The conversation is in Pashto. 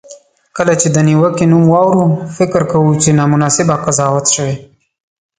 کله چې د نیوکې نوم واورو، فکر کوو چې نامناسبه قضاوت شوی.